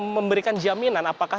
memberikan jaminan apakah